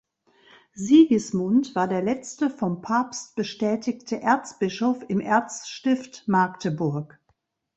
Sigismund war der letzte vom Papst bestätigte Erzbischof im Erzstift Magdeburg.